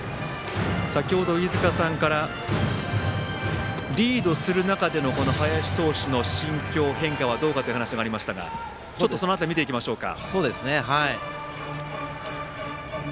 先ほど飯塚さんからリードする中での林投手の心境変化はどうかという話がありましたがその辺り、見ていきましょうか。